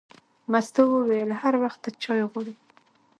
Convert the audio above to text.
مستو وویل: هر وخت ته چای غواړې.